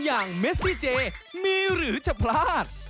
อย่างเมซิเจมีหรือจะพลาด